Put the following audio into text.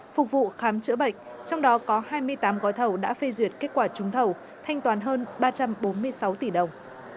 phục vụ khám chữa bệnh trong đó có hai mươi tám gói thầu đã phê duyệt kết quả trúng thầu thanh toán hơn ba trăm bốn mươi sáu tỷ đồng